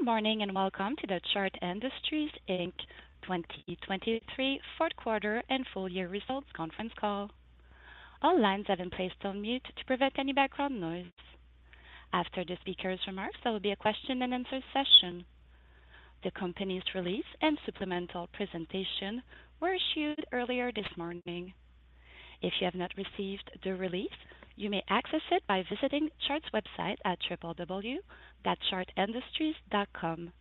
Good morning, and welcome to the Chart Industries Inc. 2023 fourth quarter and full-year results conference call. All lines have been placed on mute to prevent any background noise. After the speaker's remarks, there will be a question-and-answer session. The company's release and supplemental presentation were issued earlier this morning. If you have not received the release, you may access it by visiting Chart's website at www.chartindustries.com.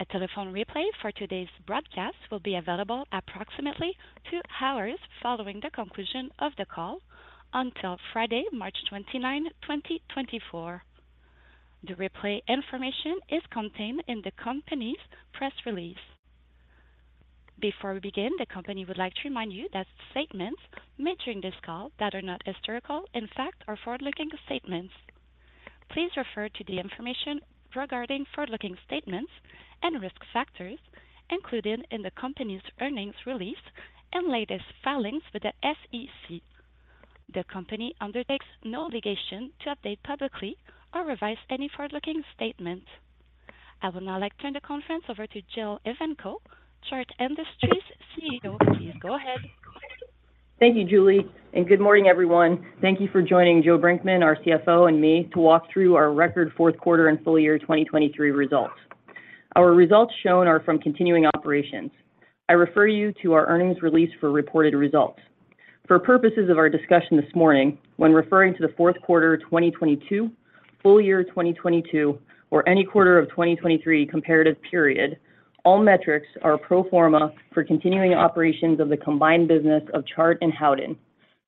A telephone replay for today's broadcast will be available approximately two hours following the conclusion of the call until Friday, March 29, 2024. The replay information is contained in the company's press release. Before we begin, the company would like to remind you that statements made during this call that are not historical in fact are forward-looking statements. Please refer to the information regarding forward-looking statements and risk factors included in the company's earnings release and latest filings with the SEC. The company undertakes no obligation to update publicly or revise any forward-looking statement. I will now like to turn the conference over to Jill Evanko, Chart Industries' CEO. Please go ahead. Thank you, Julie, and good morning, everyone. Thank you for joining Joe Brinkman, our CFO, and me to walk through our record fourth quarter and full-year 2023 results. Our results shown are from continuing operations. I refer you to our earnings release for reported results. For purposes of our discussion this morning, when referring to the fourth quarter of 2022, full year 2022, or any quarter of 2023 comparative period, all metrics are pro forma for continuing operations of the combined business of Chart and Howden.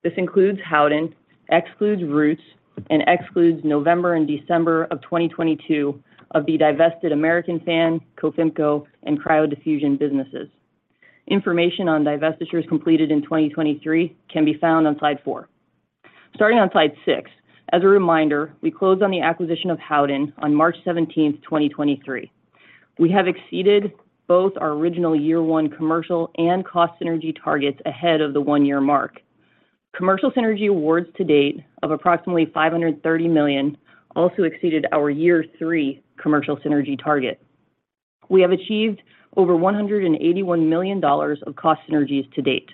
This includes Howden, excludes Roots, and excludes November and December of 2022 of the divested American Fan, Cofimco, and Cryo Diffusion businesses. Information on divestitures completed in 2023 can be found on slide 4. Starting on slide 6, as a reminder, we closed on the acquisition of Howden on March 17th, 2023. We have exceeded both our original year-one commercial and cost synergy targets ahead of the one-year mark. Commercial synergy awards to date of approximately $530 million also exceeded our year-three commercial synergy target. We have achieved over $181 million of cost synergies to date.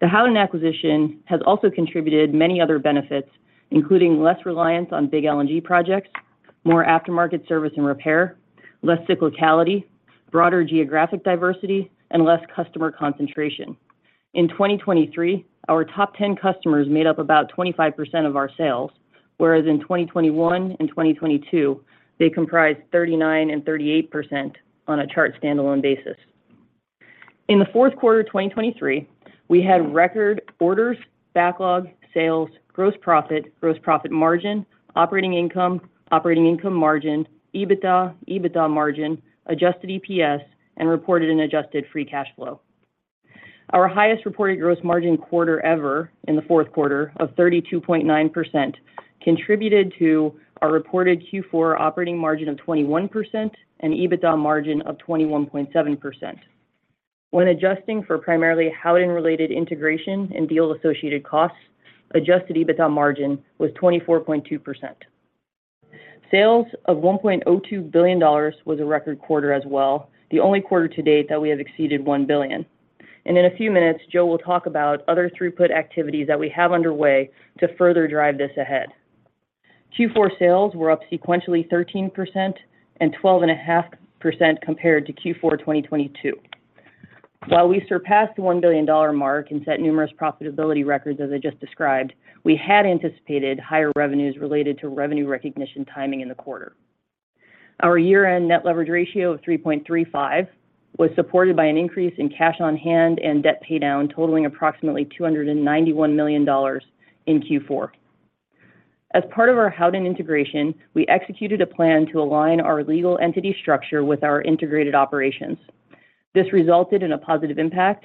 The Howden acquisition has also contributed many other benefits, including less reliance on big LNG projects, more aftermarket service and repair, less cyclicality, broader geographic diversity, and less customer concentration. In 2023, our top ten customers made up about 25% of our sales, whereas in 2021 and 2022, they comprised 39% and 38% on a Chart standalone basis. In the fourth quarter of 2023, we had record orders, backlog, sales, gross profit, gross profit margin, operating income, operating income margin, EBITDA, EBITDA margin, adjusted EPS, and reported an adjusted free cash flow. Our highest reported gross margin quarter ever in the fourth quarter of 32.9% contributed to our reported Q4 operating margin of 21% and EBITDA margin of 21.7%. When adjusting for primarily Howden-related integration and deal-associated costs, adjusted EBITDA margin was 24.2%. Sales of $1.02 billion was a record quarter as well, the only quarter-to-date that we have exceeded $1 billion. And in a few minutes, Joe will talk about other throughput activities that we have underway to further drive this ahead. Q4 sales were up sequentially 13% and 12.5% compared to Q4 2022. While we surpassed the $1 billion mark and set numerous profitability records, as I just described, we had anticipated higher revenues related to revenue recognition timing in the quarter. Our year-end net leverage ratio of 3.35x was supported by an increase in cash on hand and debt paydown, totaling approximately $291 million in Q4. As part of our Howden integration, we executed a plan to align our legal entity structure with our integrated operations. This resulted in a positive impact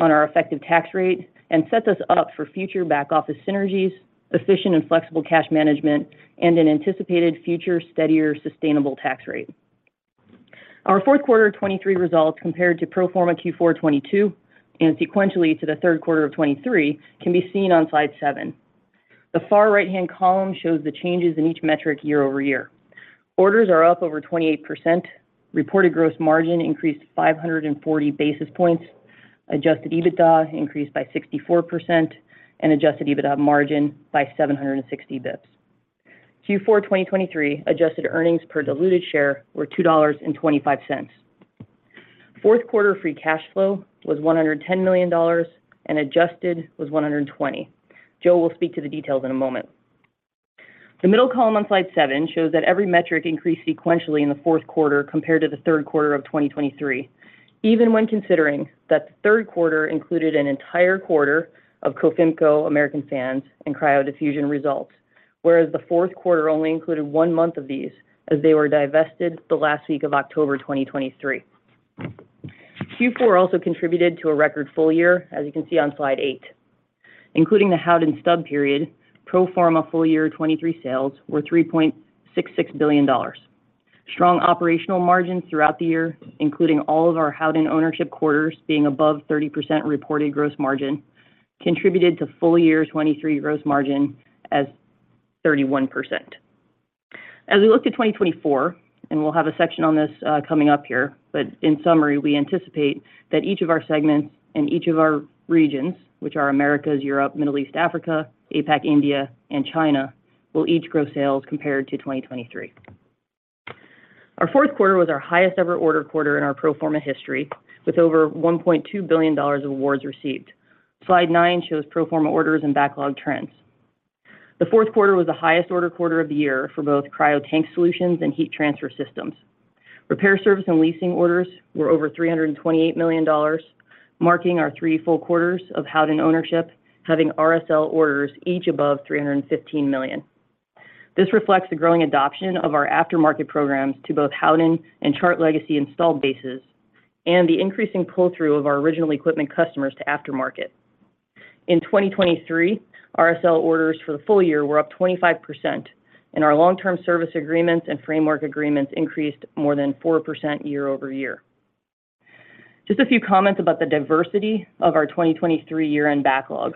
on our effective tax rate and sets us up for future back-office synergies, efficient and flexible cash management, and an anticipated future steadier, sustainable tax rate. Our fourth quarter of 2023 results compared to pro forma Q4 2022 and sequentially to the third quarter of 2023 can be seen on slide 7. The far right-hand column shows the changes in each metric year-over-year. Orders are up over 28%. Reported gross margin increased 540 basis points. Adjusted EBITDA increased by 64%, and adjusted EBITDA margin by 760 basis points. Q4 2023 adjusted earnings per diluted share were $2.25. Fourth quarter free cash flow was $110 million, and adjusted was $120 million. Joe will speak to the details in a moment. The middle column on slide 7 shows that every metric increased sequentially in the fourth quarter compared to the third quarter of 2023, even when considering that the third quarter included an entire quarter of Cofimco, American Fan, and Cryo Diffusion results, whereas the fourth quarter only included one month of these as they were divested the last week of October 2023. Q4 also contributed to a record full year, as you can see on slide 8, including the Howden stub period, pro forma full-year 2023 sales were $3.66 billion. Strong operational margins throughout the year, including all of our Howden ownership quarters being above 30% reported gross margin, contributed to full-year 2023 gross margin as 31%. As we look to 2024, and we'll have a section on this, coming up here, but in summary, we anticipate that each of our segments and each of our regions, which are Americas, Europe, Middle East, Africa, APAC, India, and China, will each grow sales compared to 2023. Our fourth quarter was our highest ever order quarter in our pro forma history, with over $1.2 billion of awards received. Slide 9 shows pro forma orders and backlog trends. The fourth quarter was the highest order quarter of the year for both Cryo Tank Solutions and Heat Transfer Systems. RSL orders were over $328 million, marking our three full quarters of Howden ownership, having RSL orders each above $315 million. This reflects the growing adoption of our aftermarket programs to both Howden and Chart legacy installed bases and the increasing pull-through of our original equipment customers to aftermarket. In 2023, RSL orders for the full year were up 25%, and our long-term service agreements and framework agreements increased more than 4% year-over-year. Just a few comments about the diversity of our 2023 year-end backlog.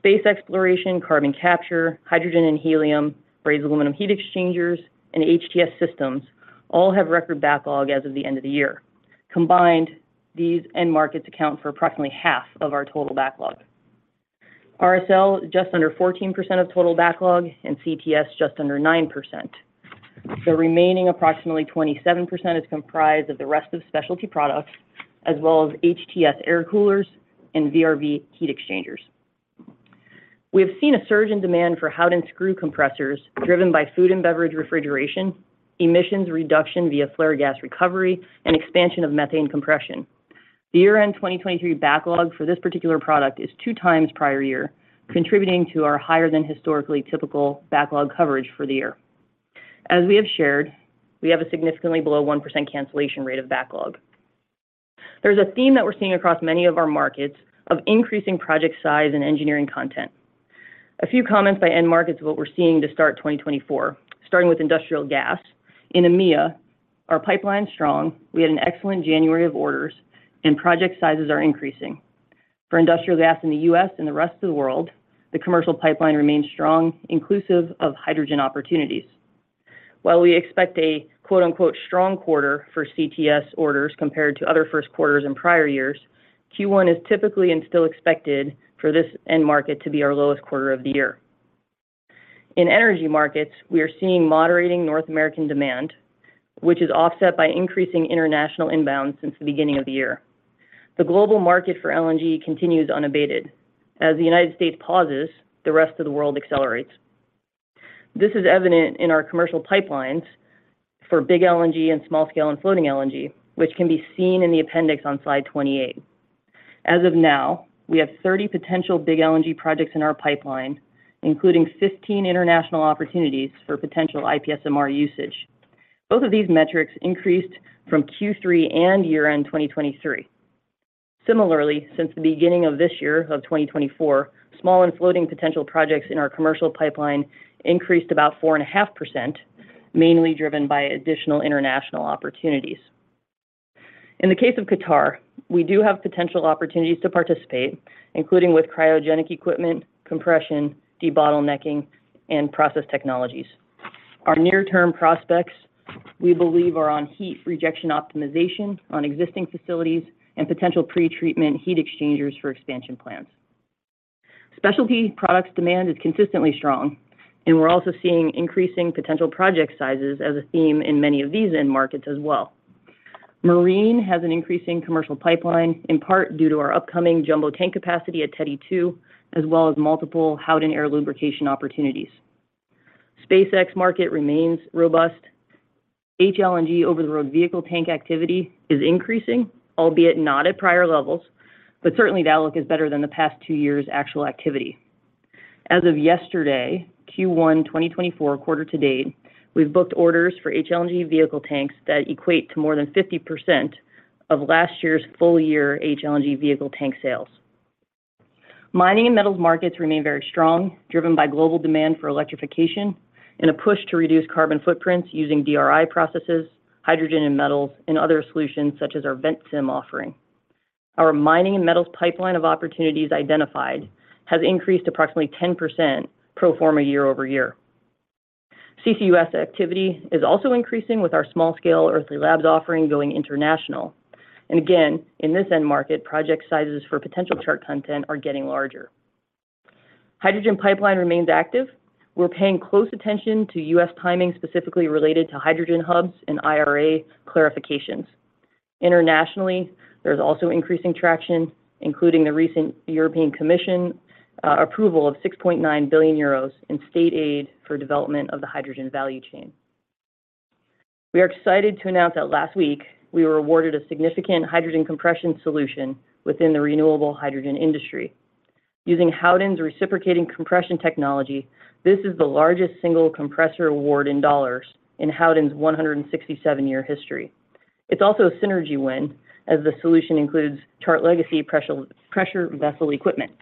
Space exploration, carbon capture, hydrogen and helium, brazed aluminum heat exchangers, and HTS systems all have record backlog as of the end of the year. Combined, these end markets account for approximately half of our total backlog. RSL, just under 14% of total backlog, and CTS, just under 9%. The remaining approximately 27% is comprised of the rest of Specialty Products, as well as HTS air coolers and VRV heat exchangers. We have seen a surge in demand for Howden screw compressors, driven by food and beverage refrigeration, emissions reduction via flare gas recovery, and expansion of methane compression. The year-end 2023 backlog for this particular product is 2x prior year, contributing to our higher than historically typical backlog coverage for the year. As we have shared, we have a significantly below 1% cancellation rate of backlog. There's a theme that we're seeing across many of our markets of increasing project size and engineering content. A few comments by end markets of what we're seeing to start 2024, starting with industrial gas. In EMEA, our pipeline's strong, we had an excellent January of orders, and project sizes are increasing. For industrial gas in the U.S. and the rest of the world, the commercial pipeline remains strong, inclusive of hydrogen opportunities. While we expect a, quote, unquote, “strong quarter” for CTS orders compared to other first quarters in prior years, Q1 is typically and still expected for this end market to be our lowest quarter of the year. In energy markets, we are seeing moderating North American demand, which is offset by increasing international inbound since the beginning of the year. The global market for LNG continues unabated. As the United States pauses, the rest of the world accelerates. This is evident in our commercial pipelines for big LNG and small scale and floating LNG, which can be seen in the appendix on slide 28. As of now, we have 30 potential big LNG projects in our pipeline, including 15 international opportunities for potential IPSMR usage. Both of these metrics increased from Q3 and year-end 2023. Similarly, since the beginning of this year, of 2024, small and floating potential projects in our commercial pipeline increased about 4.5%, mainly driven by additional international opportunities. In the case of Qatar, we do have potential opportunities to participate, including with cryogenic equipment, compression, debottlenecking, and process technologies. Our near-term prospects, we believe, are on heat rejection optimization on existing facilities and potential pretreatment heat exchangers for expansion plans. Specialty Products demand is consistently strong, and we're also seeing increasing potential project sizes as a theme in many of these end markets as well. Marine has an increasing commercial pipeline, in part due to our upcoming jumbo tank capacity at Teddy 2, as well as multiple Howden air lubrication opportunities. Space exploration market remains robust. HLNG over-the-road vehicle tank activity is increasing, albeit not at prior levels, but certainly the outlook is better than the past two years' actual activity. As of yesterday, Q1 2024, quarter-to-date, we've booked orders for HLNG vehicle tanks that equate to more than 50% of last year's full-year HLNG vehicle tank sales. Mining and metals markets remain very strong, driven by global demand for electrification and a push to reduce carbon footprints using DRI processes, hydrogen and metals, and other solutions such as our Ventsim offering. Our mining and metals pipeline of opportunities identified has increased approximately 10% pro forma year-over-year. CCUS activity is also increasing with our small-scale Earthly Labs offering going international. Again, in this end market, project sizes for potential Chart content are getting larger. Hydrogen pipeline remains active. We're paying close attention to U.S. timing, specifically related to hydrogen hubs and IRA clarifications. Internationally, there's also increasing traction, including the recent European Commission approval of 6.9 billion euros in state aid for development of the hydrogen value chain. We are excited to announce that last week, we were awarded a significant hydrogen compression solution within the renewable hydrogen industry. Using Howden's reciprocating compression technology, this is the largest single compressor award in dollars in Howden's 167-year history. It's also a synergy win, as the solution includes Chart legacy pressure vessel equipment.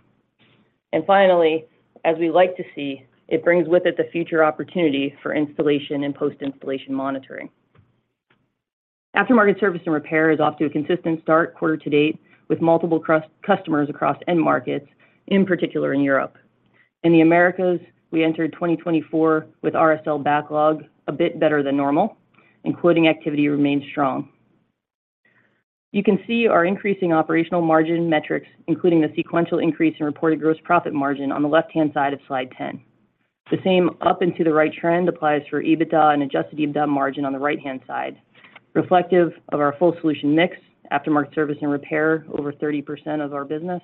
And finally, as we like to see, it brings with it the future opportunity for installation and post-installation monitoring. Aftermarket service and repair is off to a consistent start quarter-to-date, with multiple customers across end markets, in particular in Europe. In the Americas, we entered 2024 with RSL backlog a bit better than normal. Including activity remains strong. You can see our increasing operational margin metrics, including the sequential increase in reported gross profit margin on the left-hand side of slide 10. The same up and to the right trend applies for EBITDA and adjusted EBITDA margin on the right-hand side, reflective of our full solution mix, aftermarket service and repair, over 30% of our business,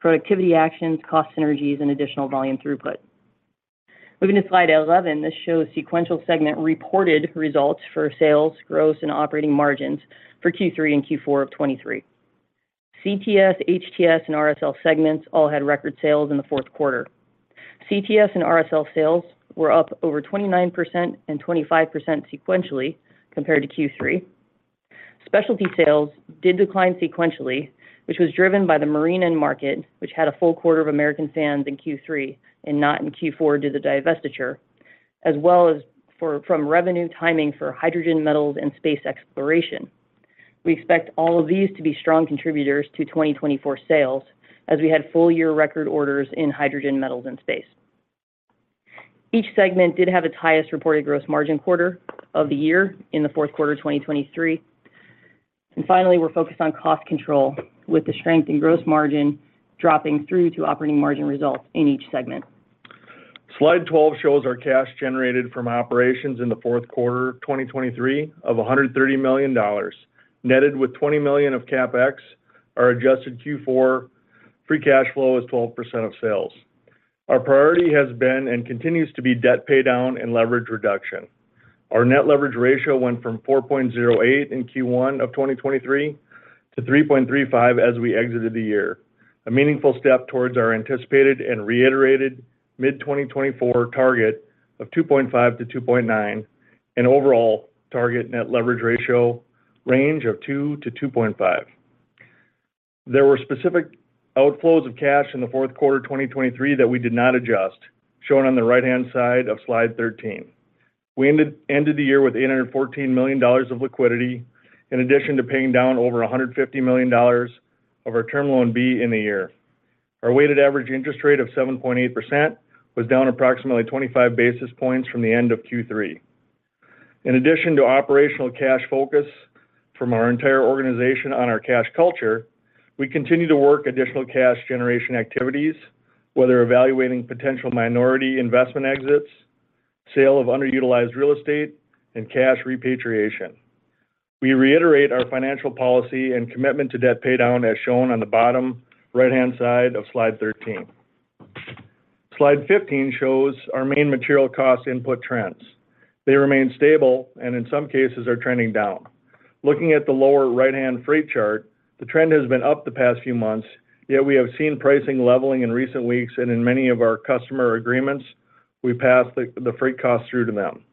productivity actions, cost synergies, and additional volume throughput. Moving to slide 11, this shows sequential segment reported results for sales, gross, and operating margins for Q3 and Q4 of 2023. CTS, HTS, and RSL segments all had record sales in the fourth quarter. CTS and RSL sales were up over 29% and 25% sequentially compared to Q3. Specialty sales did decline sequentially, which was driven by the marine end market, which had a full quarter of American Fan in Q3 and not in Q4 due to the divestiture, as well as from revenue timing for hydrogen, metals, and space exploration. We expect all of these to be strong contributors to 2024 sales, as we had full-year record orders in hydrogen, metals, and space. Each segment did have its highest reported gross margin quarter of the year in the fourth quarter of 2023. Finally, we're focused on cost control, with the strength in gross margin dropping through to operating margin results in each segment. Slide 12 shows our cash generated from operations in the fourth quarter 2023 of $130 million. Netted with $20 million of CapEx, our adjusted Q4 free cash flow is 12% of sales. Our priority has been and continues to be debt paydown and leverage reduction. Our net leverage ratio went from 4.08x in Q1 of 2023 to 3.35x as we exited the year, a meaningful step towards our anticipated and reiterated mid-2024 target of 2.5x-2.9x, an overall target net leverage ratio range of 2x-2.5x. There were specific outflows of cash in the fourth quarter of 2023 that we did not adjust, shown on the right-hand side of slide 13. We ended the year with $814 million of liquidity, in addition to paying down over $150 million of our Term Loan B in the year. Our weighted average interest rate of 7.8% was down approximately 25 basis points from the end of Q3. In addition to operational cash focus from our entire organization on our cash culture, we continue to work additional cash generation activities, whether evaluating potential minority investment exits, sale of underutilized real estate, and cash repatriation. We reiterate our financial policy and commitment to debt paydown, as shown on the bottom right-hand side of slide 13. Slide 15 shows our main material cost input trends. They remain stable and in some cases are trending down. Looking at the lower right-hand freight chart, the trend has been up the past few months, yet we have seen pricing leveling in recent weeks and in many of our customer agreements, we passed the freight costs through to them.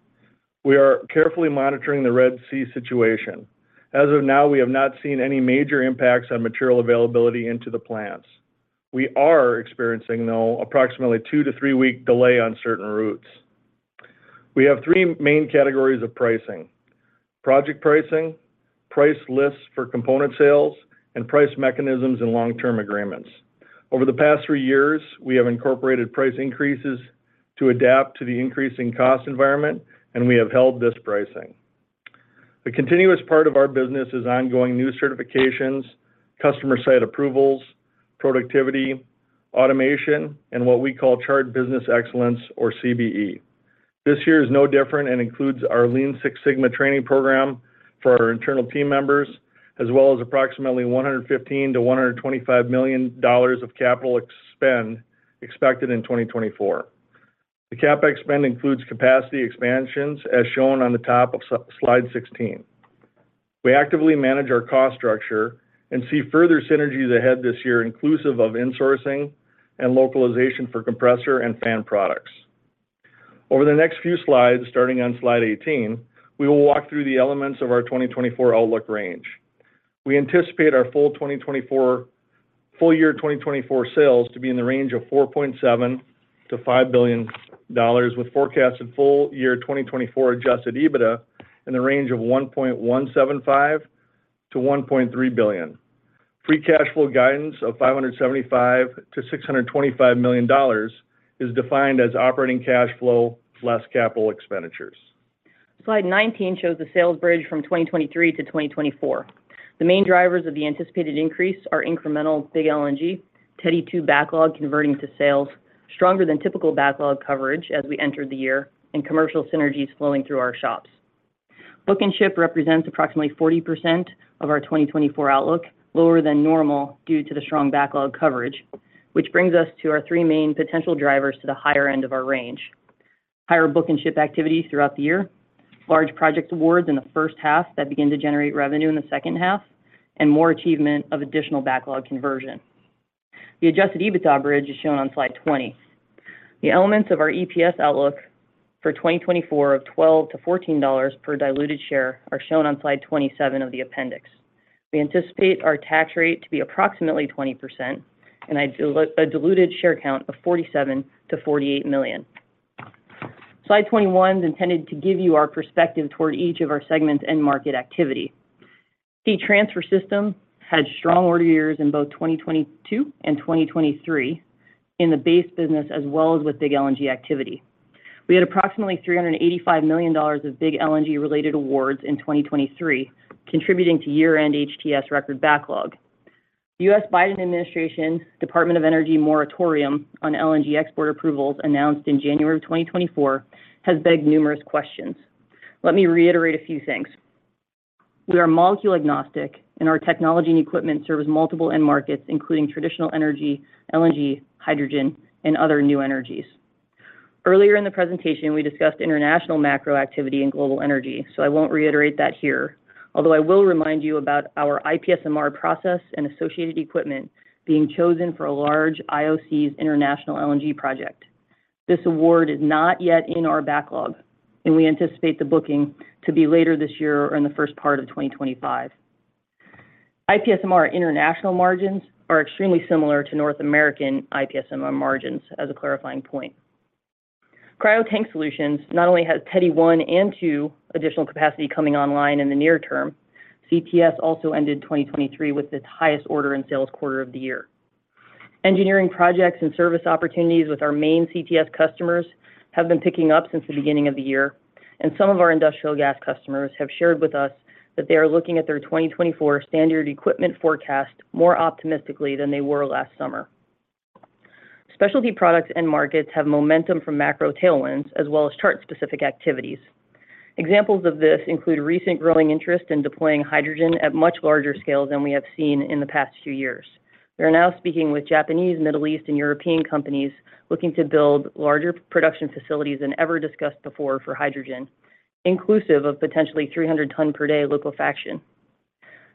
We are carefully monitoring the Red Sea situation. As of now, we have not seen any major impacts on material availability into the plants. We are experiencing, though, approximately two- to three-week delay on certain routes. We have three main categories of pricing: project pricing, price lists for component sales, and price mechanisms and long-term agreements. Over the past three years, we have incorporated price increases to adapt to the increasing cost environment, and we have held this pricing. The continuous part of our business is ongoing new certifications, customer site approvals, productivity, automation, and what we call Chart Business Excellence, or CBE. This year is no different and includes our Lean Six Sigma training program for our internal team members, as well as approximately $115 million-$125 million of CapEx spend expected in 2024. The CapEx spend includes capacity expansions, as shown on the top of slide 16. We actively manage our cost structure and see further synergies ahead this year, inclusive of insourcing and localization for compressor and fan products. Over the next few slides, starting on slide 18, we will walk through the elements of our 2024 outlook range. We anticipate our full-year 2024 sales to be in the range of $4.7 billion-$5 billion, with forecasted full-year 2024 adjusted EBITDA in the range of $1.175 billion-$1.3 billion. Free cash flow guidance of $575 million-$625 million is defined as operating cash flow plus CapEx. Slide 19 shows the sales bridge from 2023 to 2024. The main drivers of the anticipated increase are incremental big LNG, Teddy 2 backlog converting to sales, stronger than typical backlog coverage as we entered the year, and commercial synergies flowing through our shops. Book and ship represents approximately 40% of our 2024 outlook, lower than normal due to the strong backlog coverage, which brings us to our three main potential drivers to the higher end of our range. Higher book and ship activity throughout the year, large project awards in the first half that begin to generate revenue in the second half, and more achievement of additional backlog conversion. The adjusted EBITDA bridge is shown on Slide 20. The elements of our EPS outlook for 2024 of $12-$14 per diluted share are shown on Slide 27 of the appendix. We anticipate our tax rate to be approximately 20% and a diluted share count of 47 million-48 million. Slide 21 is intended to give you our perspective toward each of our segments and market activity. Heat Transfer Systems had strong order years in both 2022 and 2023 in the base business, as well as with big LNG activity. We had approximately $385 million of big LNG-related awards in 2023, contributing to year-end HTS record backlog. The U.S. Biden Administration, Department of Energy moratorium on LNG export approvals, announced in January 2024, has begged numerous questions. Let me reiterate a few things. We are molecule agnostic, and our technology and equipment serves multiple end markets, including traditional energy, LNG, hydrogen, and other new energies. Earlier in the presentation, we discussed international macro activity and global energy, so I won't reiterate that here, although I will remind you about our IPSMR process and associated equipment being chosen for a large IOC's international LNG project. This award is not yet in our backlog, and we anticipate the booking to be later this year or in the first part of 2025. IPSMR international margins are extremely similar to North American IPSMR margins as a clarifying point. Cryo Tank Solutions not only has Teddy 1 and 2 additional capacity coming online in the near term, CTS also ended 2023 with its highest order in sales quarter of the year. Engineering projects and service opportunities with our main CTS customers have been picking up since the beginning of the year, and some of our industrial gas customers have shared with us that they are looking at their 2024 standard equipment forecast more optimistically than they were last summer. Specialty Products and markets have momentum from macro tailwinds, as well as Chart-specific activities. Examples of this include recent growing interest in deploying hydrogen at much larger scales than we have seen in the past few years. We are now speaking with Japanese, Middle East, and European companies looking to build larger production facilities than ever discussed before for hydrogen, inclusive of potentially 300 tons per day liquefaction.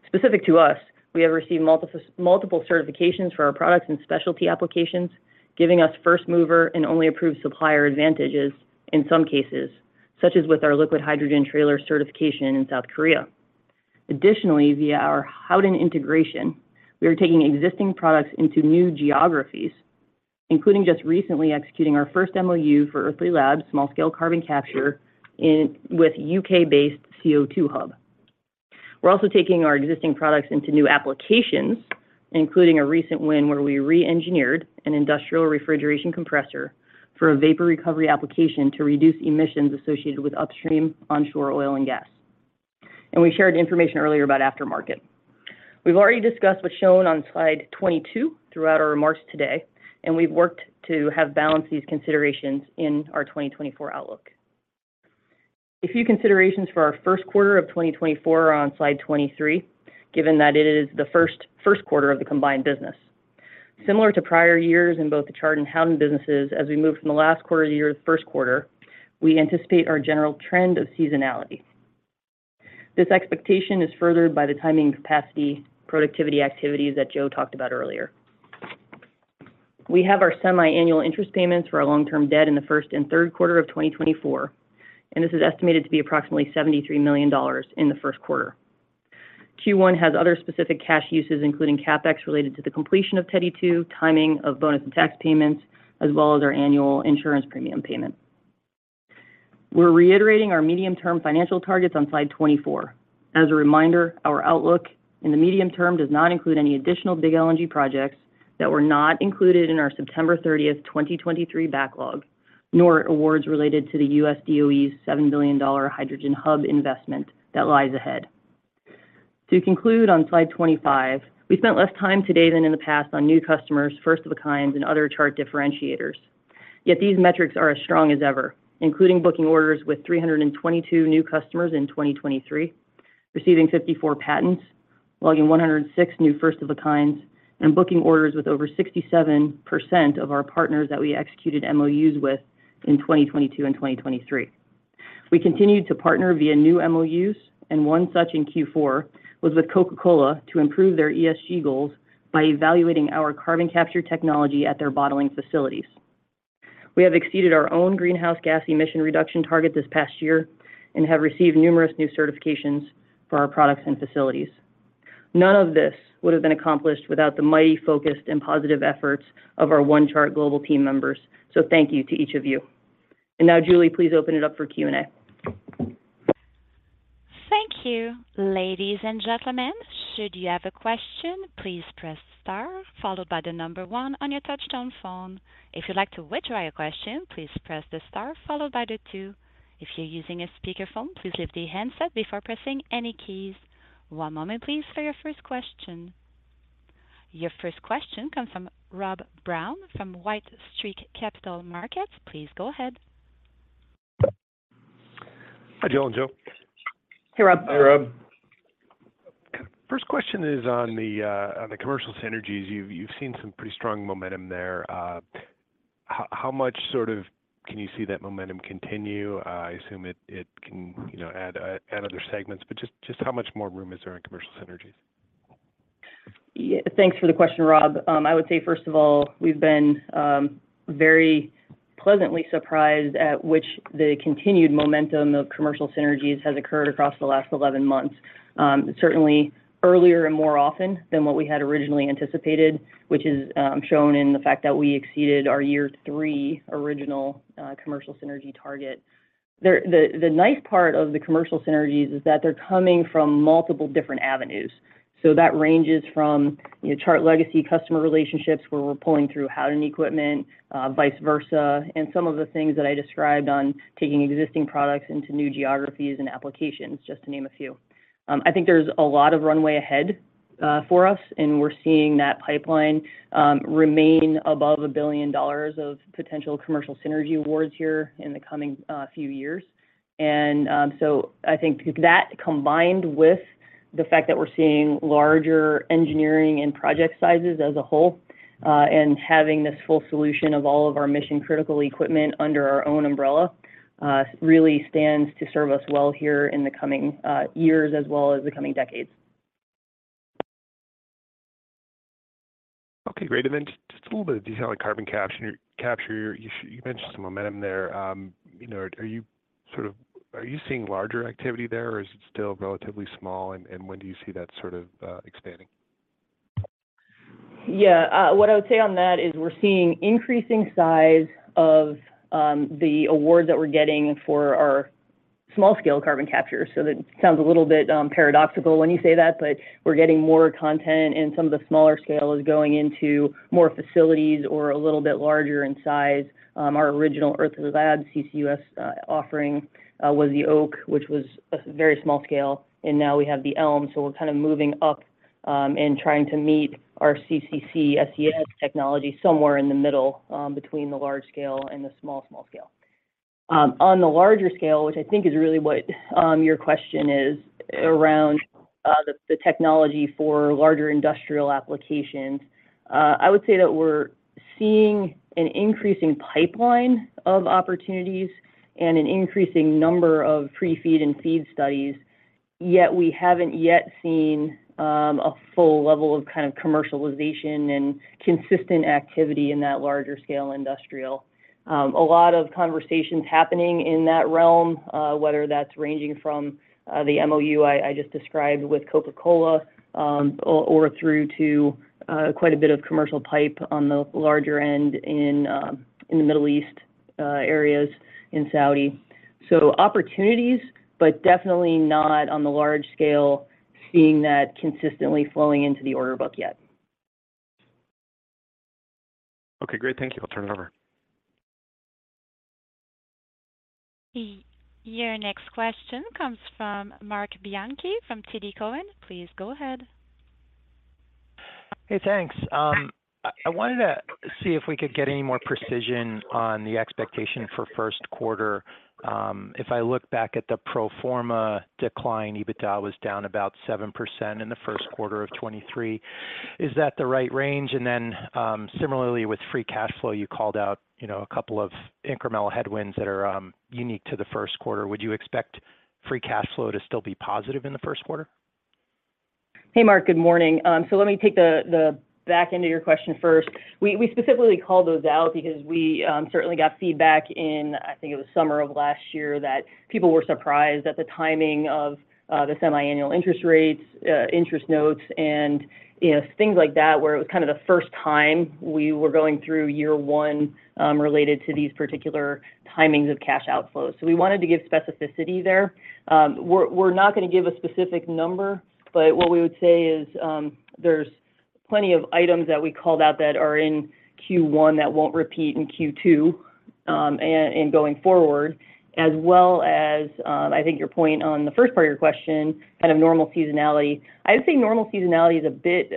Specific to us, we have received multiple, multiple certifications for our products and specialty applications, giving us first mover and only approved supplier advantages in some cases, such as with our liquid hydrogen trailer certification in South Korea. Additionally, via our Howden integration, we are taking existing products into new geographies, including just recently executing our first MOU for Earthly Labs small-scale carbon capture in with U.K.-based CO2 hub. We're also taking our existing products into new applications, including a recent win where we re-engineered an industrial refrigeration compressor for a vapor recovery application to reduce emissions associated with upstream onshore oil and gas. And we shared information earlier about aftermarket. We've already discussed what's shown on slide 22 throughout our remarks today, and we've worked to have balanced these considerations in our 2024 outlook. A few considerations for our first quarter of 2024 are on slide 23, given that it is the first, first quarter of the combined business. Similar to prior years in both the Chart and Howden businesses, as we move from the last quarter of the year to the first quarter, we anticipate our general trend of seasonality. This expectation is furthered by the timing capacity, productivity activities that Joe talked about earlier. We have our semiannual interest payments for our long-term debt in the first and third quarter of 2024, and this is estimated to be approximately $73 million in the first quarter. Q1 has other specific cash uses, including CapEx, related to the completion of Teddy 2, timing of bonus and tax payments, as well as our annual insurance premium payment. We're reiterating our medium-term financial targets on slide 24. As a reminder, our outlook in the medium term does not include any additional big LNG projects that were not included in our September 30th, 2023 backlog, nor awards related to the U.S. DOE's $7 billion hydrogen hub investment that lies ahead. To conclude on slide 25, we spent less time today than in the past on new customers, first of a kind, and other Chart differentiators, yet these metrics are as strong as ever, including booking orders with 322 new customers in 2023, receiving 54 patents, logging 106 new first-of-a-kinds, and booking orders with over 67% of our partners that we executed MOUs with in 2022 and 2023. We continued to partner via new MOUs, and one such in Q4 was with Coca-Cola to improve their ESG goals by evaluating our carbon capture technology at their bottling facilities. We have exceeded our own greenhouse gas emission reduction target this past year and have received numerous new certifications for our products and facilities. None of this would have been accomplished without the mighty focused and positive efforts of our One Chart global team members. So thank you to each of you. And now, Julie, please open it up for Q&A. Thank you. Ladies and gentlemen, should you have a question, please press star, followed by the number one on your touchtone phone. If you'd like to withdraw your question, please press the star followed by the two. If you're using a speakerphone, please lift the handset before pressing any keys. One moment, please, for your first question. Your first question comes from Rob Brown, from Lake Street Capital Markets. Please go ahead. Hi, Jill and Joe. Hey, Rob. Hi, Rob. First question is on the, on the commercial synergies. You've seen some pretty strong momentum there. How much sort of can you see that momentum continue? I assume it can, you know, add other segments, but just how much more room is there in commercial synergies? Yeah. Thanks for the question, Rob. I would say, first of all, we've been very pleasantly surprised at which the continued momentum of commercial synergies has occurred across the last 11 months. Certainly earlier and more often than what we had originally anticipated, which is shown in the fact that we exceeded our year-three original commercial synergy target. The nice part of the commercial synergies is that they're coming from multiple different avenues. So that ranges from, you know, Chart legacy customer relationships, where we're pulling through Howden equipment, vice versa, and some of the things that I described on taking existing products into new geographies and applications, just to name a few. I think there's a lot of runway ahead, for us, and we're seeing that pipeline remain above $1 billion of potential commercial synergy awards here in the coming few years. So I think that, combined with the fact that we're seeing larger engineering and project sizes as a whole, and having this full solution of all of our mission-critical equipment under our own umbrella, really stands to serve us well here in the coming years, as well as the coming decades. Okay, great. And then just a little bit of detail on carbon capture. You mentioned some momentum there. You know, are you sort of seeing larger activity there, or is it still relatively small, and when do you see that sort of expanding? Yeah, what I would say on that is we're seeing increasing size of the awards that we're getting for our small-scale carbon capture. So that sounds a little bit paradoxical when you say that, but we're getting more content, and some of the smaller scale is going into more facilities or a little bit larger in size. Our original Earthly Labs CCUS offering was the Oak, which was a very small-scale, and now we have the Elm. So we're kind of moving up and trying to meet our CCC SES technology somewhere in the middle, between the large scale and the small, small scale. On the larger scale, which I think is really what your question is around, the technology for larger industrial applications, I would say that we're seeing an increasing pipeline of opportunities and an increasing number of pre-FEED and FEED studies, yet we haven't yet seen a full level of kind of commercialization and consistent activity in that larger scale industrial. A lot of conversations happening in that realm, whether that's ranging from the MOU I just described with Coca-Cola, or through to quite a bit of commercial pipe on the larger end in the Middle East, areas in Saudi. So opportunities, but definitely not on the large scale, seeing that consistently flowing into the order book yet. Okay, great. Thank you. I'll turn it over. Your next question comes from Marc Bianchi from TD Cowen. Please go ahead. Hey, thanks. I wanted to see if we could get any more precision on the expectation for first quarter. If I look back at the pro forma decline, EBITDA was down about 7% in the first quarter of 2023. Is that the right range? And then, similarly, with free cash flow, you called out, you know, a couple of incremental headwinds that are unique to the first quarter. Would you expect free cash flow to still be positive in the first quarter? Hey, Marc. Good morning. So let me take the back end of your question first. We specifically called those out because we certainly got feedback in, I think it was summer of last year, that people were surprised at the timing of the semiannual interest rates, interest notes, and, you know, things like that, where it was kind of the first time we were going through year one related to these particular timings of cash outflows. So we wanted to give specificity there. We're not gonna give a specific number, but what we would say is there's plenty of items that we called out that are in Q1 that won't repeat in Q2 and going forward, as well as, I think, your point on the first part of your question, kind of normal seasonality. I'd say normal seasonality is a bit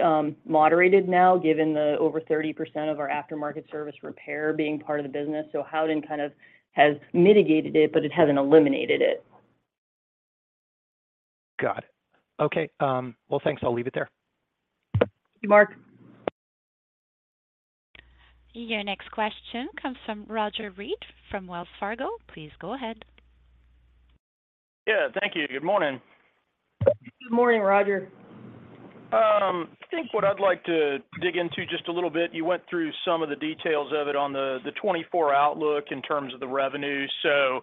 moderated now, given the over 30% of our aftermarket service repair being part of the business. So Howden kind of has mitigated it, but it hasn't eliminated it. Got it. Okay, well, thanks. I'll leave it there. Thank you, Marc. Your next question comes from Roger Read, from Wells Fargo. Please go ahead. Yeah, thank you. Good morning. Good morning, Roger. I think what I'd like to dig into just a little bit, you went through some of the details of it on the, the 2024 outlook in terms of the revenue. So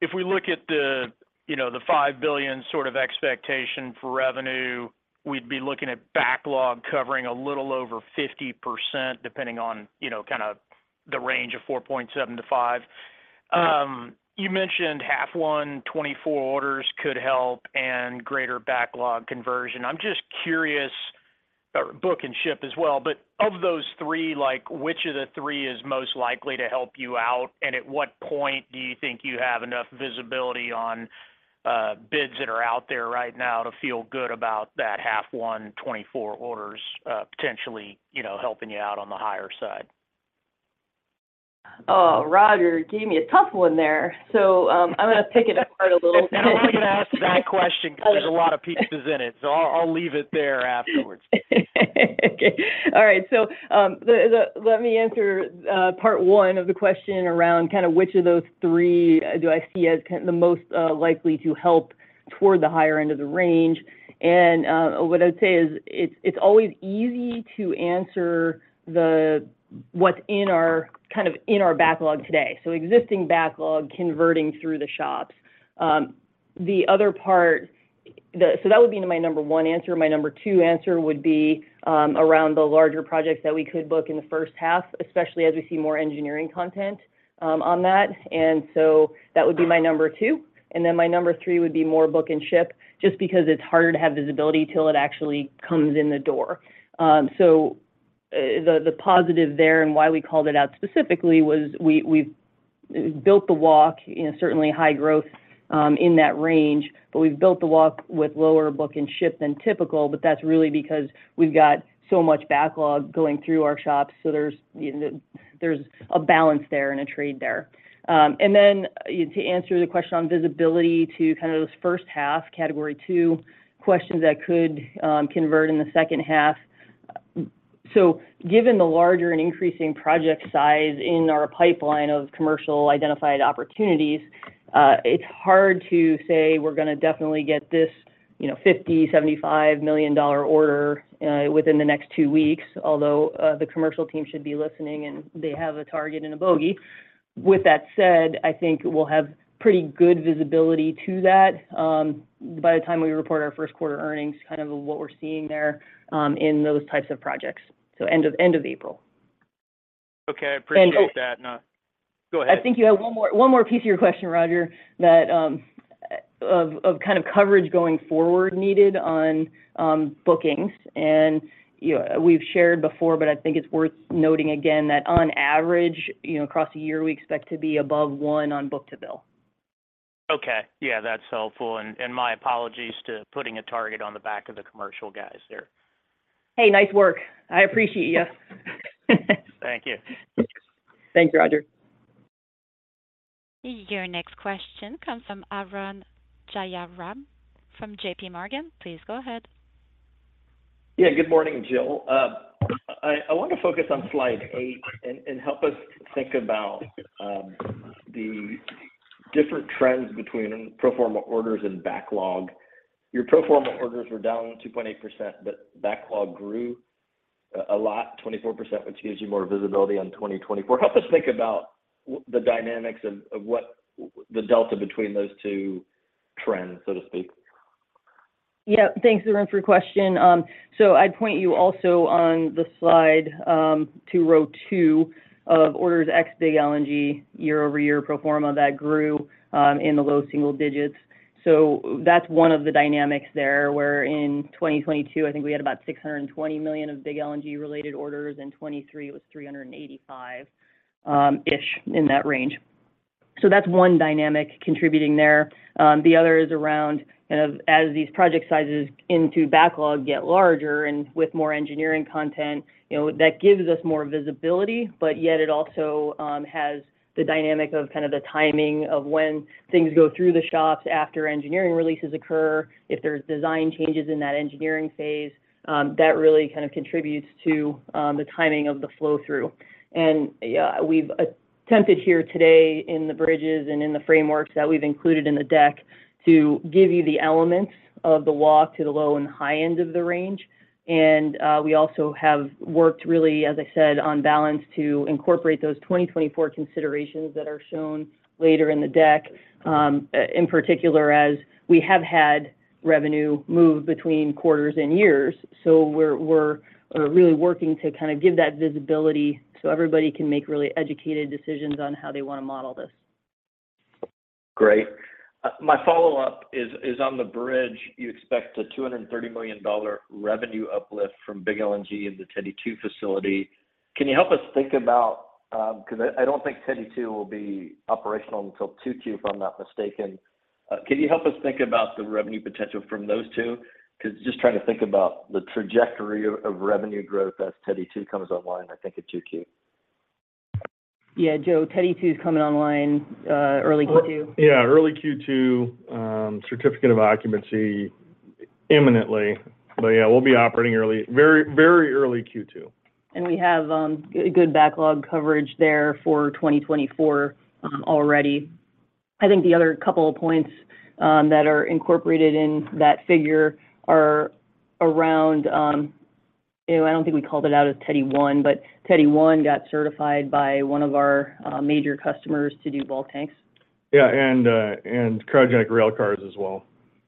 if we look at the, you know, the $5 billion sort of expectation for revenue, we'd be looking at backlog covering a little over 50%, depending on, you know, kind of the range of $4.7 billion-$5 billion. You mentioned H1 2024 orders could help and greater backlog conversion. I'm just curious, book and ship as well, but of those three, like, which of the three is most likely to help you out, and at what point do you think you have enough visibility on, bids that are out there right now to feel good about that H1 2024 orders, potentially, you know, helping you out on the higher side? Oh, Roger, you gave me a tough one there, so, I'm gonna pick it apart a little bit. I wanted to ask that question because there's a lot of pieces in it, so I'll leave it there afterwards. Okay. All right, so, let me answer part one of the question around kind of which of those three do I see as kind of the most likely to help toward the higher end of the range. And, what I'd say is, it's always easy to answer what's in our, kind of, in our backlog today. So existing backlog converting through the shops. So that would be my number one answer. My number two answer would be, around the larger projects that we could book in the first half, especially as we see more engineering content, on that. And so that would be my number two, and then my number three would be more book and ship, just because it's harder to have visibility till it actually comes in the door. So, the positive there and why we called it out specifically was we've built the walk, you know, certainly high growth in that range, but we've built the walk with lower book and ship than typical, but that's really because we've got so much backlog going through our shops. So there's, you know, a balance there and a trade there. And then to answer the question on visibility to kind of those first half, category two questions that could convert in the second half. So given the larger and increasing project size in our pipeline of commercial identified opportunities, it's hard to say we're gonna definitely get this, you know, $50 million-$75 million order within the next two weeks, although the commercial team should be listening, and they have a target and a bogey. With that said, I think we'll have pretty good visibility to that by the time we report our first quarter earnings, kind of what we're seeing there in those types of projects, so end of April. Okay. I appreciate that. And, oh— No, go ahead. I think you have one more piece of your question, Roger, that of kind of coverage going forward needed on bookings. You know, we've shared before, but I think it's worth noting again, that on average, you know, across the year, we expect to be above one on book-to-bill. Okay. Yeah, that's helpful, and, and my apologies to putting a target on the back of the commercial guys there. Hey, nice work. I appreciate you. Thank you. Thanks, Roger. Your next question comes from Arun Jayaram, from JPMorgan. Please go ahead. Yeah, good morning, Jill. I want to focus on slide 8 and help us think about the different trends between pro forma orders and backlog. Your pro forma orders were down 2.8%, but backlog grew a lot, 24%, which gives you more visibility on 2024. Help us think about the dynamics of what the delta between those two trends, so to speak. Yeah. Thanks, Arun, for your question. So I'd point you also on the slide to row two of orders ex-big LNG, year-over-year pro forma, that grew in the low single digits. So that's one of the dynamics there, where in 2022, I think we had about $620 million of big LNG-related orders, in 2023, it was $385 million-ish, in that range. So that's one dynamic contributing there. The other is around kind of as these project sizes into backlog get larger and with more engineering content, you know, that gives us more visibility, but yet it also has the dynamic of kind of the timing of when things go through the shops after engineering releases occur, if there's design changes in that engineering phase, that really kind of contributes to the timing of the flow-through. We've attempted here today in the bridges and in the frameworks that we've included in the deck to give you the elements of the walk to the low and high end of the range. We also have worked, really, as I said, on balance, to incorporate those 2024 considerations that are shown later in the deck, in particular, as we have had revenue move between quarters and years. We're really working to kind of give that visibility so everybody can make really educated decisions on how they want to model this. Great. My follow-up is, is on the bridge. You expect a $230 million revenue uplift from big LNG in the Teddy 2 facility. Can you help us think about, because I, I don't think Teddy 2 will be operational until 2Q, if I'm not mistaken. Can you help us think about the revenue potential from those two? Because just trying to think about the trajectory of, of revenue growth as Teddy 2 comes online, I think, in 2Q. Yeah. Joe, Teddy 2's coming online early Q2. Yeah, early Q2, certificate of occupancy imminently. But yeah, we'll be operating early, very, very early Q2. We have a good backlog coverage there for 2024 already. I think the other couple of points that are incorporated in that figure are around, you know, I don't think we called it out as Teddy 1, but Teddy 1 got certified by one of our major customers to do bulk tanks. Yeah, and cryogenic rail cars as well.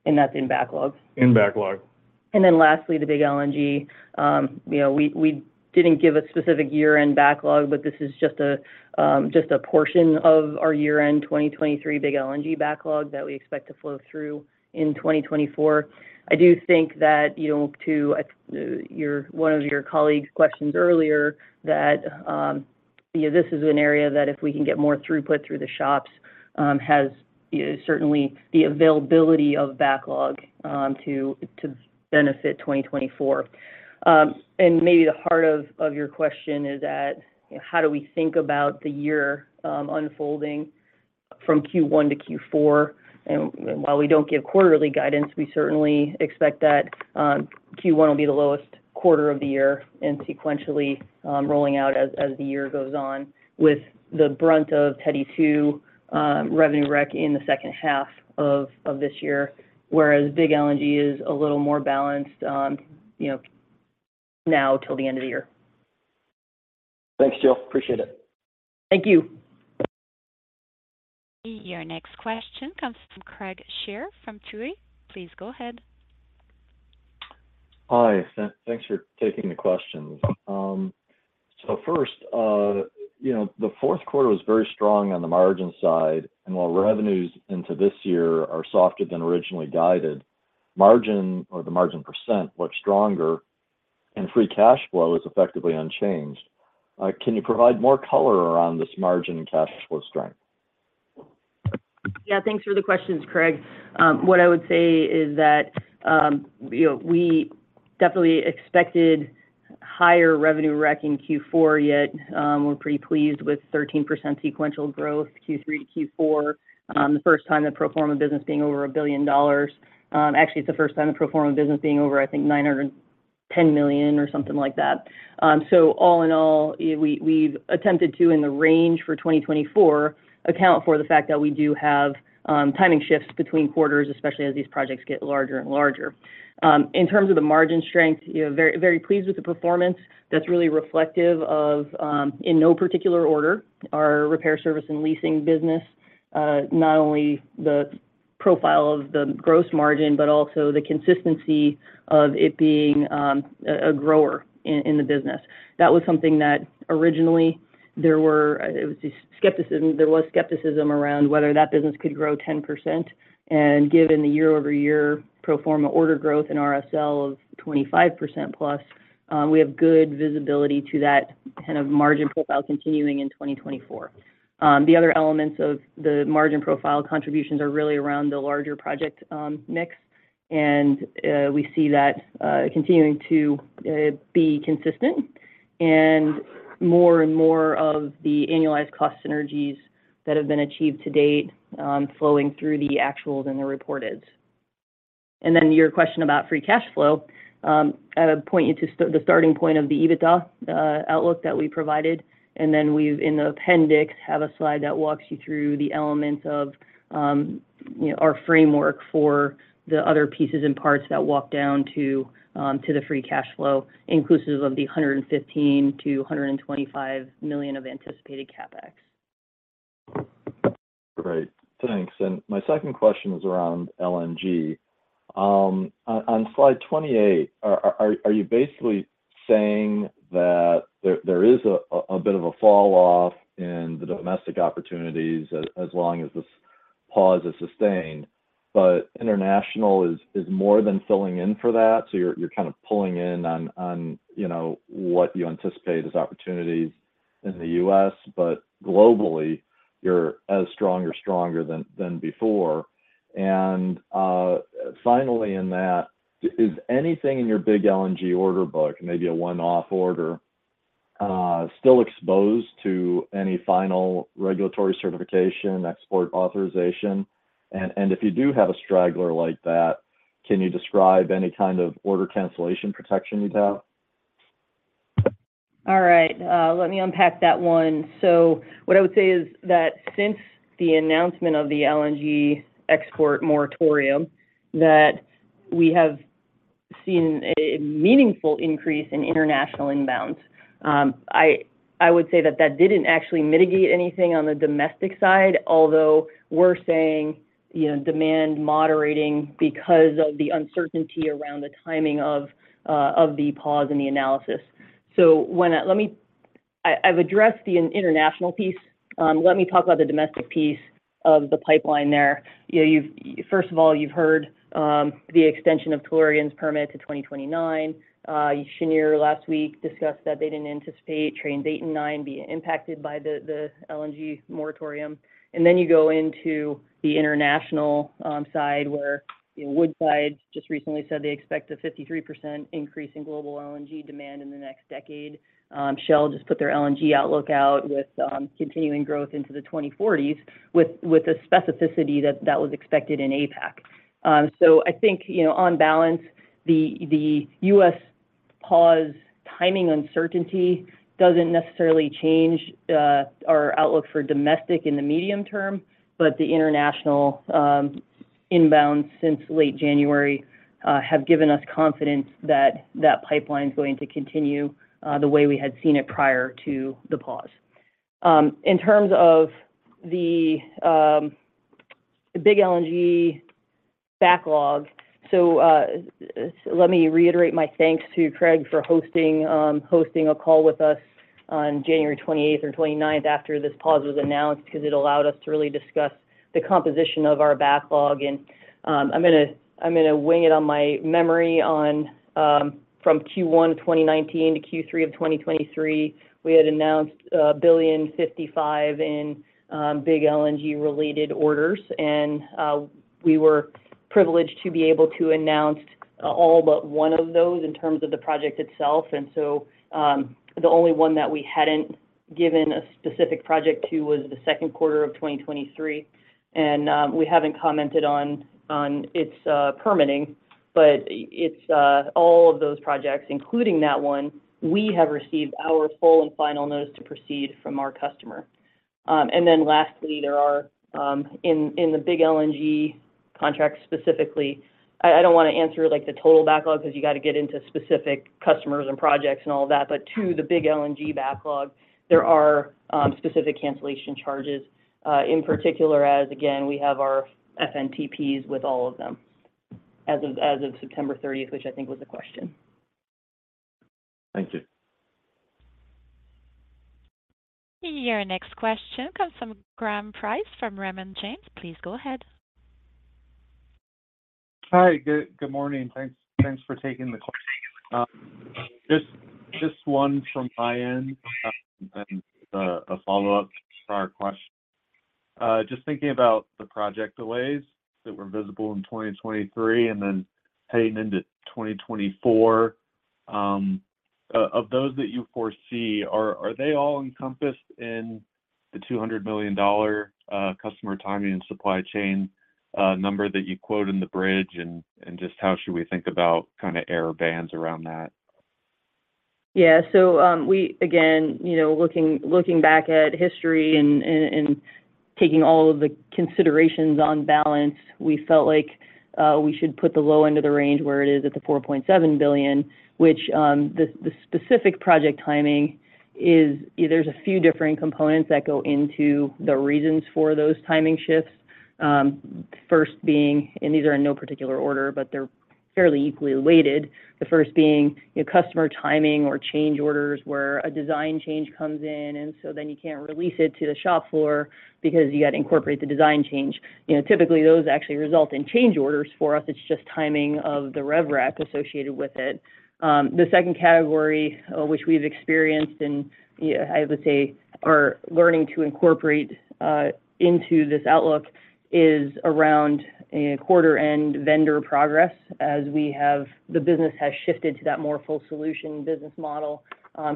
That's in backlog? In backlog. And then lastly, the big LNG. You know, we didn't give a specific year-end backlog, but this is just a just a portion of our year-end 2023 big LNG backlog that we expect to flow through in 2024. I do think that, you know, to your—one of your colleagues' questions earlier, that you know, this is an area that if we can get more throughput through the shops, has you know, certainly the availability of backlog to benefit 2024. And maybe the heart of your question is that, how do we think about the year unfolding from Q1 to Q4? And while we don't give quarterly guidance, we certainly expect that Q1 will be the lowest quarter of the year, and sequentially rolling out as the year goes on, with the brunt of Teddy 2 revenue rec in the second half of this year, whereas big LNG is a little more balanced on, you know, now till the end of the year. Thanks, Jill. Appreciate it. Thank you. Your next question comes from Craig Shere from Tuohy. Please go ahead. Hi, thanks, thanks for taking the questions. So first, you know, the fourth quarter was very strong on the margin side, and while revenues into this year are softer than originally guided, margin or the margin percent looks stronger and free cash flow is effectively unchanged. Can you provide more color around this margin cash flow strength? Yeah, thanks for the questions, Craig. What I would say is that, you know, we definitely expected higher revenue rec in Q4, yet, we're pretty pleased with 13% sequential growth, Q3 to Q4, the first time the pro forma business being over $1 billion. Actually, it's the first time the pro forma business being over, I think, $910 million or something like that. So all in all, we, we've attempted to, in the range for 2024, account for the fact that we do have, timing shifts between quarters, especially as these projects get larger and larger. In terms of the margin strength, you know, very, very pleased with the performance. That's really reflective of, in no particular order, our Repair, Service, and Leasing business, not only the profile of the gross margin, but also the consistency of it being a grower in the business. That was something that originally there was just skepticism. There was skepticism around whether that business could grow 10%, and given the year-over-year pro forma order growth in RSL of 25%+, we have good visibility to that kind of margin profile continuing in 2024. The other elements of the margin profile contributions are really around the larger project mix, and we see that continuing to be consistent and more and more of the annualized cost synergies that have been achieved to date flowing through the actuals and the reporteds. And then your question about free cash flow, I would point you to the starting point of the EBITDA outlook that we provided. And then we've, in the appendix, have a slide that walks you through the elements of, you know, our framework for the other pieces and parts that walk down to, to the free cash flow, inclusive of the $115 million-$125 million of anticipated CapEx. Great. Thanks. And my second question is around LNG. On slide 28, are you basically saying that there is a bit of a falloff in the domestic opportunities as long as this pause is sustained, but international is more than filling in for that? So you're kind of pulling in on you know what you anticipate as opportunities in the U.S., but globally, you're as strong or stronger than before. And finally, in that, is anything in your big LNG order book, maybe a one-off order, still exposed to any final regulatory certification, export authorization? And if you do have a straggler like that, can you describe any kind of order cancellation protection you'd have? All right, let me unpack that one. So what I would say is that since the announcement of the LNG export moratorium, that we have seen a meaningful increase in international inbounds. I would say that that didn't actually mitigate anything on the domestic side, although we're saying, you know, demand moderating because of the uncertainty around the timing of the pause in the analysis. Let me, I've addressed the international piece. Let me talk about the domestic piece of the pipeline there. You know, first of all, you've heard the extension of Tellurian's permit to 2029. Cheniere last week discussed that they didn't anticipate Trains eight and nine being impacted by the LNG moratorium. And then you go into the international side, where, you know, Woodside just recently said they expect a 53% increase in global LNG demand in the next decade. Shell just put their LNG outlook out with continuing growth into the 2040s with a specificity that that was expected in APAC. So I think, you know, on balance, the U.S. pause timing uncertainty doesn't necessarily change our outlook for domestic in the medium term, but the international inbounds since late January have given us confidence that that pipeline is going to continue the way we had seen it prior to the pause. In terms of the big LNG backlog, so let me reiterate my thanks to Craig for hosting a call with us on January 28th or 29th after this pause was announced, because it allowed us to really discuss the composition of our backlog. I'm gonna wing it on my memory on from Q1 2019 to Q3 of 2023, we had announced $1.055 billion in big LNG-related orders, and we were privileged to be able to announce all but one of those in terms of the project itself. So the only one that we hadn't given a specific project to was the second quarter of 2023. We haven't commented on its permitting, but it's all of those projects, including that one, we have received our full and final notice to proceed from our customer. Then lastly, there are in the big LNG contracts specifically, I don't wanna answer, like, the total backlog because you gotta get into specific customers and projects and all that, but to the big LNG backlog, there are specific cancellation charges, in particular, as again, we have our FNTPs with all of them as of September 30th, which I think was the question. Thank you. Your next question comes from Graham Price, from Raymond James. Please go ahead. Hi, good, good morning. Thanks, thanks for taking the call. Just, just one from my end, and then a, a follow-up to our question. Just thinking about the project delays that were visible in 2023 and then heading into 2024, of those that you foresee, are, are they all encompassed in the $200 million customer timing and supply chain number that you quote in the bridge? And, and just how should we think about kind of error bands around that? Yeah. So, we again, you know, looking back at history and taking all of the considerations on balance, we felt like we should put the low end of the range where it is at the $4.7 billion, which, the specific project timing is. There's a few different components that go into the reasons for those timing shifts. First being. And these are in no particular order, but they're fairly equally weighted. The first being, you know, customer timing or change orders, where a design change comes in, and so then you can't release it to the shop floor because you gotta incorporate the design change. You know, typically, those actually result in change orders. For us, it's just timing of the rev rec associated with it. The second category, which we've experienced and, yeah, I would say are learning to incorporate, into this outlook, is around, quarter-end vendor progress, as we have—the business has shifted to that more full solution business model,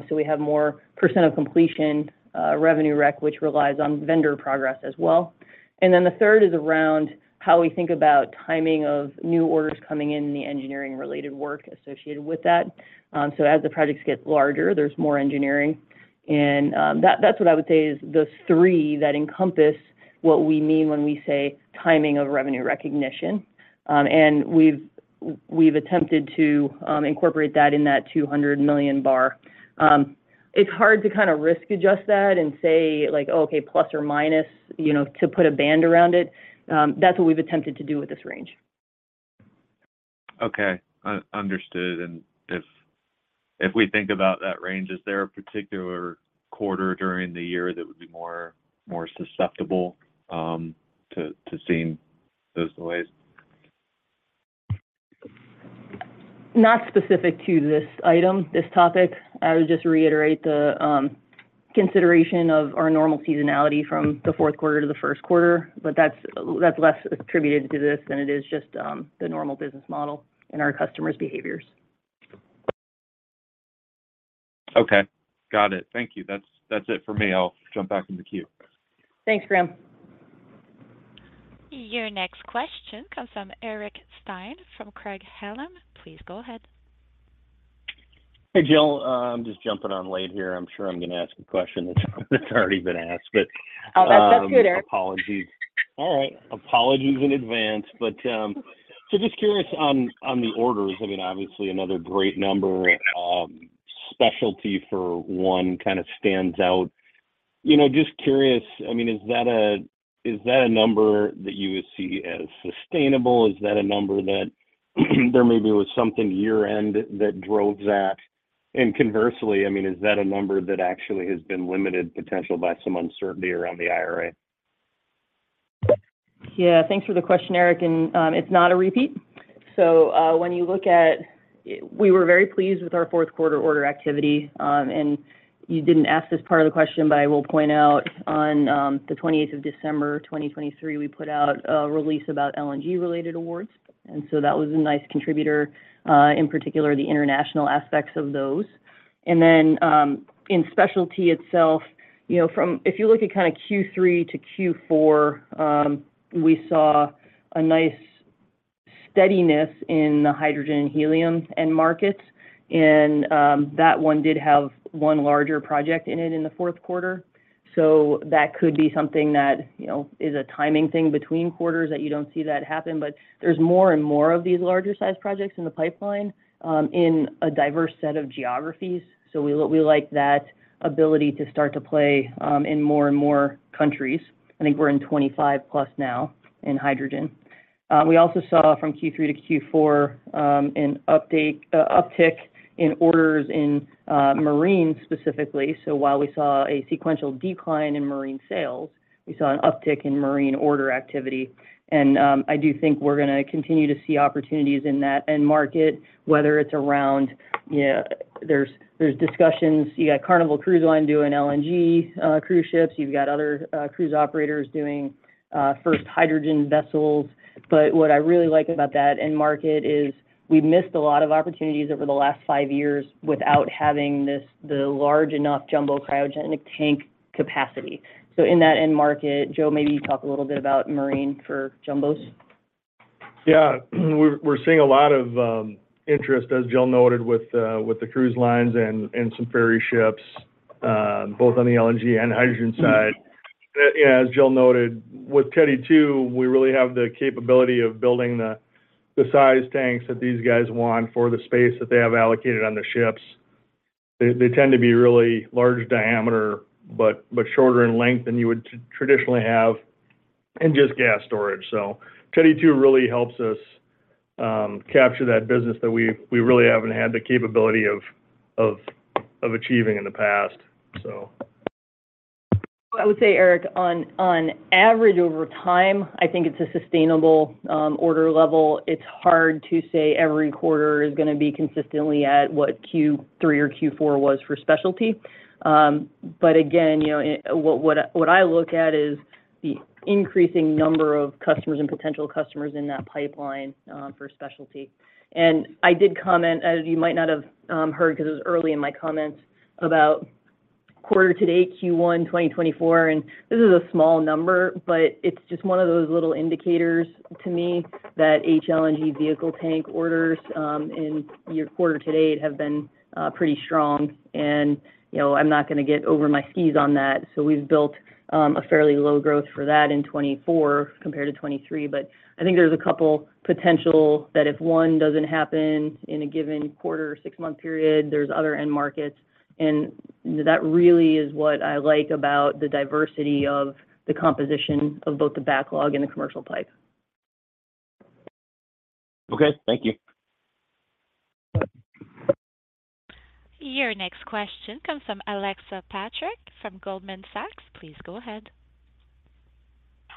so we have more percent of completion, revenue rec, which relies on vendor progress as well. And then the third is around how we think about timing of new orders coming in and the engineering-related work associated with that. So as the projects get larger, there's more engineering. And, that, that's what I would say is the three that encompass what we mean when we say timing of revenue recognition. And we've, we've attempted to, incorporate that in that $200 million bar. It's hard to kind of risk-adjust that and say, like, "Oh, okay, plus or minus," you know, to put a band around it. That's what we've attempted to do with this range. Okay, understood. And if we think about that range, is there a particular quarter during the year that would be more susceptible to seeing those delays? Not specific to this item, this topic. I would just reiterate the consideration of our normal seasonality from the fourth quarter to the first quarter, but that's less attributed to this than it is just the normal business model and our customers' behaviors. Okay, got it. Thank you. That's, that's it for me. I'll jump back in the queue. Thanks, Graham. Your next question comes from Eric Stine, from Craig-Hallum. Please go ahead. Hey, Jill. I'm just jumping on late here. I'm sure I'm gonna ask a question that's, that's already been asked, but— Oh, that's no sooner. Apologies. All right, apologies in advance. But, so just curious on, on the orders, I mean, obviously another great number, Specialty for one kind of stands out. You know, just curious, I mean, is that a, is that a number that you would see as sustainable? Is that a number that there maybe was something year-end that drove that? And conversely, I mean, is that a number that actually has been limited potential by some uncertainty around the IRA? Yeah, thanks for the question, Eric, and it's not a repeat. So, when you look at—we were very pleased with our fourth quarter order activity. And you didn't ask this part of the question, but I will point out on the 20th of December 2023, we put out a release about LNG-related awards, and so that was a nice contributor, in particular, the international aspects of those. And then, in Specialty itself, you know, from—if you look at kind of Q3 to Q4, we saw a nice steadiness in the hydrogen and helium end markets, and that one did have one larger project in it in the fourth quarter. So that could be something that, you know, is a timing thing between quarters that you don't see that happen, but there's more and more of these larger-sized projects in the pipeline in a diverse set of geographies. So we like that ability to start to play in more and more countries. I think we're in 25+ now in hydrogen. We also saw from Q3 to Q4 an update uptick in orders in marine specifically. So while we saw a sequential decline in marine sales, we saw an uptick in marine order activity, and I do think we're gonna continue to see opportunities in that end market, whether it's around.. You know, there's, there's discussions. You got Carnival Cruise Line doing LNG cruise ships. You've got other cruise operators doing first hydrogen vessels. But what I really like about that end market is we've missed a lot of opportunities over the last five years without having this, the large enough jumbo cryogenic tank capacity. So in that end market, Joe, maybe you talk a little bit about marine for jumbos. Yeah, we're seeing a lot of interest, as Jill noted, with the cruise lines and some ferry ships, both on the LNG and hydrogen side. Yeah, as Jill noted, with Teddy 2, we really have the capability of building the size tanks that these guys want for the space that they have allocated on their ships. They tend to be really large diameter, but shorter in length than you would traditionally have in just gas storage. So Teddy 2 really helps us capture that business that we really haven't had the capability of achieving in the past, so. I would say, Eric, on average, over time, I think it's a sustainable order level. It's hard to say every quarter is gonna be consistently at what Q3 or Q4 was for Specialty. But again, you know, it—what I look at is the increasing number of customers and potential customers in that pipeline for Specialty. And I did comment, as you might not have heard, 'cause it was early in my comments about quarter-to-date, Q1, 2024, and this is a small number, but it's just one of those little indicators to me that HLNG vehicle tank orders in year quarter-to-date have been pretty strong. And, you know, I'm not gonna get over my skis on that, so we've built a fairly low growth for that in 2024 compared to 2023. But I think there's a couple potential that if one doesn't happen in a given quarter or six-month period, there's other end markets, and that really is what I like about the diversity of the composition of both the backlog and the commercial pipe. Okay, thank you. Your next question comes from Alexa Petrick, from Goldman Sachs. Please go ahead.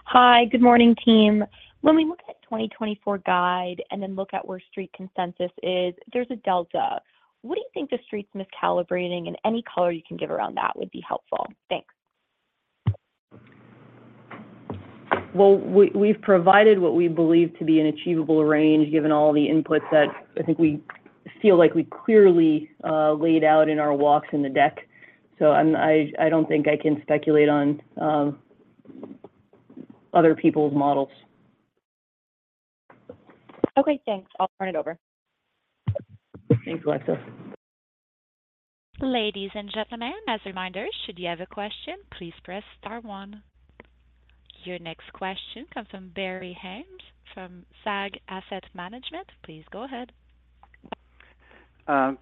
Hi, good morning, team. When we look at 2024 guide and then look at where street consensus is, there's a delta. What do you think the Street's miscalibrating? And any color you can give around that would be helpful. Thanks. Well, we've provided what we believe to be an achievable range, given all the inputs that I think we feel like we clearly laid out in our walks in the deck. So I don't think I can speculate on other people's models. Okay, thanks. I'll turn it over. Thanks, Alexa. Ladies and gentlemen, as a reminder, should you have a question, please press star one. Your next question comes from Barry Haimes, from Sage Asset Management. Please go ahead.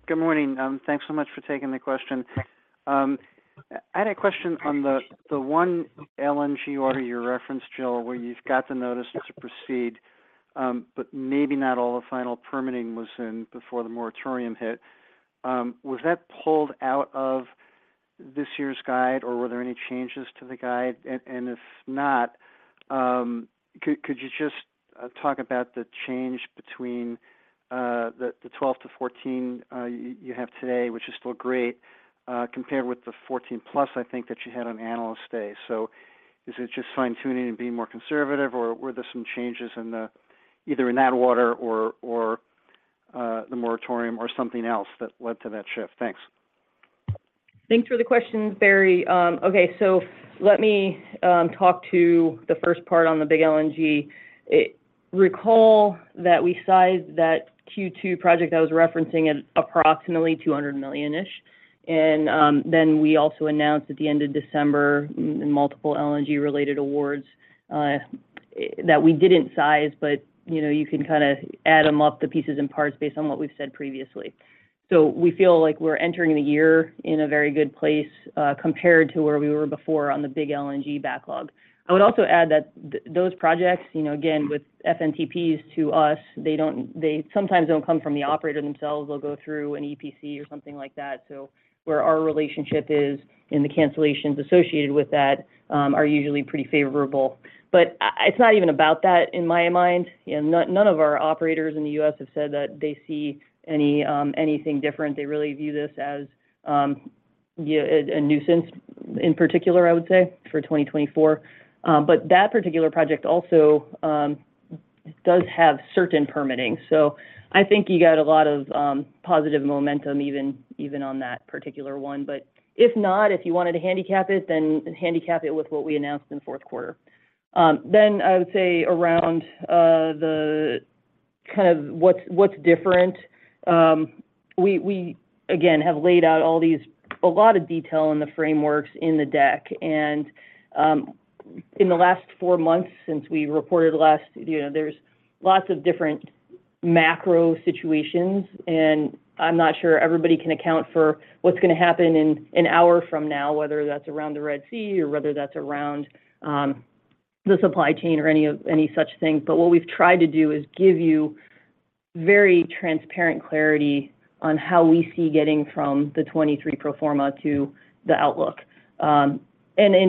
Good morning. Thanks so much for taking the question. I had a question on the one LNG order you referenced, Jill, where you've got the notice to proceed, but maybe not all the final permitting was in before the moratorium hit. Was that pulled out of this year's guide, or were there any changes to the guide? And if not, could you just talk about the change between the 12-14 you have today, which is still great, compared with the 14+, I think, that you had on Analyst Day. So is it just fine-tuning and being more conservative, or were there some changes in the either in that water or the moratorium or something else that led to that shift? Thanks. Thanks for the questions, Barry. Okay, so let me talk to the first part on the big LNG. Recall that we sized that Q2 project I was referencing at approximately $200 million-ish, and then we also announced at the end of December in multiple LNG-related awards that we didn't size, but you know, you can kinda add them up, the pieces and parts, based on what we've said previously. So we feel like we're entering the year in a very good place compared to where we were before on the big LNG backlog. I would also add that those projects, you know, again, with FNTPs, to us, they sometimes don't come from the operator themselves. They'll go through an EPC or something like that. So where our relationship is and the cancellations associated with that are usually pretty favorable. It's not even about that, in my mind. You know, none of our operators in the U.S. have said that they see anything different. They really view this as, yeah, a nuisance in particular, I would say, for 2024. But that particular project also does have certain permitting, so I think you got a lot of positive momentum, even on that particular one. But if not, if you wanted to handicap it, then handicap it with what we announced in fourth quarter. Then I would say around the kind of what's different, we again have laid out all these, a lot of detail in the frameworks in the deck. In the last four months since we reported last, you know, there's lots of different macro situations, and I'm not sure everybody can account for what's gonna happen in an hour from now, whether that's around the Red Sea or whether that's around the supply chain or any such thing. But what we've tried to do is give you very transparent clarity on how we see getting from the 2023 pro forma to the outlook. And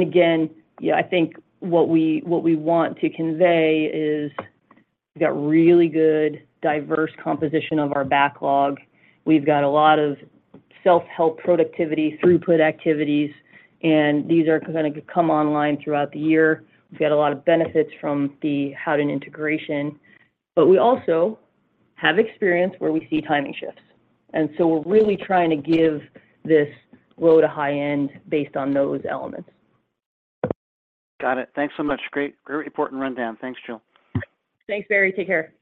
again, yeah, I think what we want to convey is we've got really good, diverse composition of our backlog. We've got a lot of self-help productivity, throughput activities, and these are gonna come online throughout the year. We've got a lot of benefits from the Howden integration, but we also have experience where we see timing shifts, and so we're really trying to give this low to high end based on those elements. Got it. Thanks so much. Great, great report and rundown. Thanks, Jill. Thanks, Barry. Take care.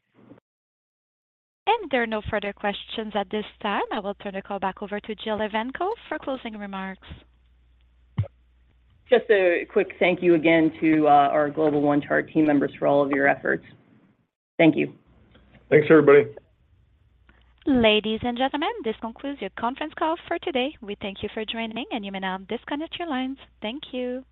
There are no further questions at this time. I will turn the call back over to Jill Evanko for closing remarks. Just a quick thank you again to our Global One Chart team members for all of your efforts. Thank you. Thanks, everybody. Ladies and gentlemen, this concludes your conference call for today. We thank you for joining, and you may now disconnect your lines. Thank you.